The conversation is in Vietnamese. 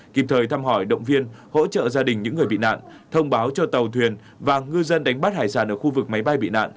kịp thời thăm hỏi động viên hỗ trợ gia đình những người bị nạn thông báo cho tàu thuyền và ngư dân đánh bắt hải sản ở khu vực máy bay bị nạn